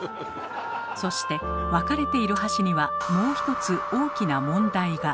そして分かれている箸にはもう１つ大きな問題が！